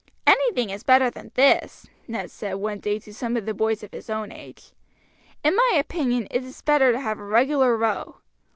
"Anything is better than this," Ned said one day to some of the boys of his own age. "In my opinion it's better to have a regular row.